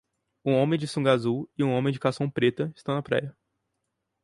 Um homem de sunga azul e um homem de calção preta estão na praia.